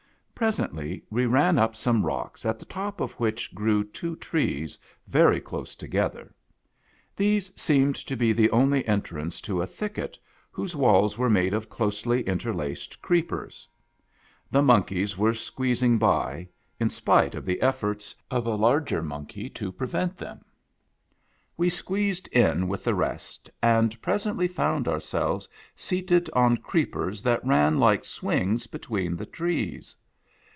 Presently we ran up some rocks, at the top of which grew two trees, very close together. These seemed to be the only entrance to a thicket whose walls were made of closely interlaced creepers. The monkeys were squeezing by, in spite of the efforts of a larger monkey to prevent them. We squeezed in with the rest, and presently found ourselves seated on creepers that ran like swings between the trees.